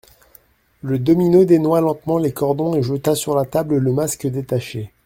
Le domino dénoua lentement les cordons et jeta sur la table le masque détaché.